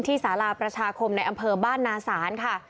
สาราประชาคมในอำเภอบ้านนาศาลค่ะ